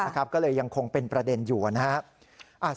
ก็เลยยังคงเป็นประเด็นอยู่นะครับ